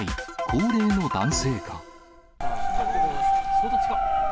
高齢の男性か。